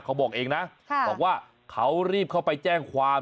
เขาบอกเองนะบอกว่าเขารีบเข้าไปแจ้งความ